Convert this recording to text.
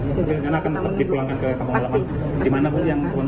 setelah penyelamat pesawat smart air kembali ke rumah sakit